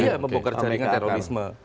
iya membongkar jaringan terorisme